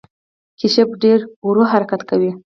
کیشپ ډیر ورو حرکت کوي